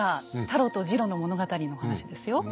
タロとジロの物語の話ですよ。